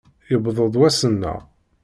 Yewweḍ-d wass-nneɣ!